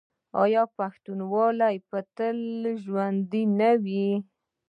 آیا پښتونولي به تل ژوندي نه وي؟